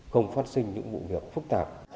không phát sinh những vụ việc phúc tạp